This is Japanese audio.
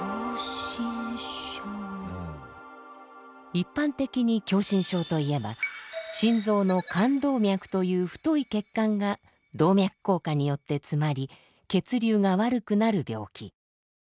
一般的に狭心症といえば心臓の冠動脈という太い血管が動脈硬化によって詰まり血流が悪くなる病気。